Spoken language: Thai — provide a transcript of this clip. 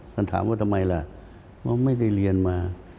มันถามว่าทำไมล่ะเขาไม่ได้เรียนมา